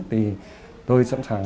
thì tôi sẵn sàng